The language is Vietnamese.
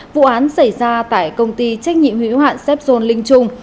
vụ án xảy ra tại công ty trách nhiệm hữu hạn sepol linh trung